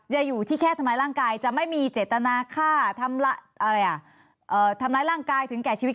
อย่าอยู่ที่แค่ทำร้ายร่างกายจะไม่มีเจตนาฆ่าทำร้ายร่างกายถึงแก่ชีวิต